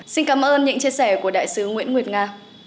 xin cảm ơn những chia sẻ của đại sứ nguyễn nguyệt nga